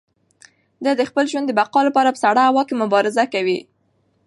دی د خپل ژوند د بقا لپاره په سړه هوا کې مبارزه کوي.